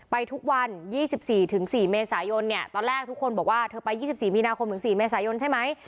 ไปทุกวันยี่สิบสี่ถึงสี่เมษายนเนี่ยตอนแรกทุกคนบอกว่าเธอไปยี่สิบสี่มีนาคมถึงสี่เมษายนใช่ไหม